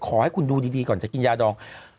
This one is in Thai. ขอให้คุณดูดีก่อนจะกินยาดอง